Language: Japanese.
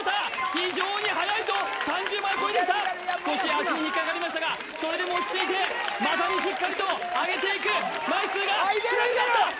非常にはやいぞ３０枚を超えてきた少し足に引っ掛かりましたがそれでも落ち着いて股にしっかりと上げていく枚数が少なくなったあっいけるいける！